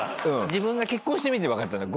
自分が結婚してみて分かった。